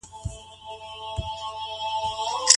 نوري کومي خبري په دې اړه پاته دي؟